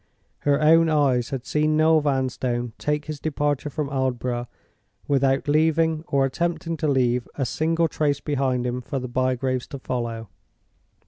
Her own eyes had seen Noel Vanstone take his departure from Aldborough without leaving, or attempting to leave, a single trace behind him for the Bygraves to follow.